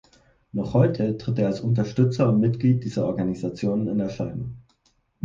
Noch heute tritt er als Unterstützer und Mitglied dieser Organisationen in Erscheinung.